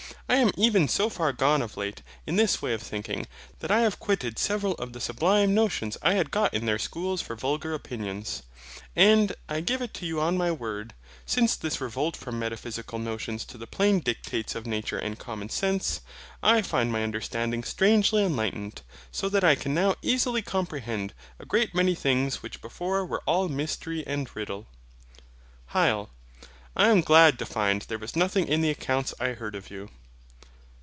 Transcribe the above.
I am even so far gone of late in this way of thinking, that I have quitted several of the sublime notions I had got in their schools for vulgar opinions. And I give it you on my word; since this revolt from metaphysical notions to the plain dictates of nature and common sense, I find my understanding strangely enlightened, so that I can now easily comprehend a great many things which before were all mystery and riddle. HYL. I am glad to find there was nothing in the accounts I heard of you.